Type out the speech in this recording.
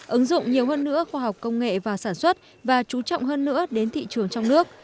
ứng dụng nhiều hơn nữa khoa học công nghệ vào sản xuất và chú trọng hơn nữa đến thị trường trong nước